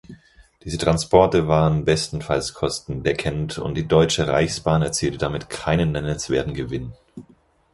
Diese Transporte waren bestenfalls kostendeckend und die Deutsche Reichsbahn erzielte damit keinen nennenswerten Gewinn.